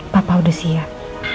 papa udah siap